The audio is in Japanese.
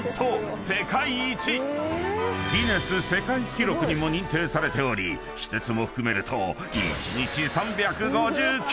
［ギネス世界記録にも認定されており私鉄も含めると１日］